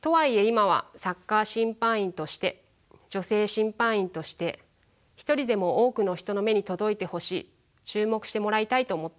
とはいえ今はサッカー審判員として女性審判員として一人でも多くの人の目に届いてほしい注目してもらいたいと思っています。